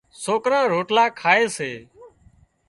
سوڪران روٽلا کائي سي۔